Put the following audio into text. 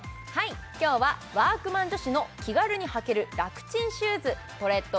今日はワークマン女子の気軽に履ける楽ちんシューズ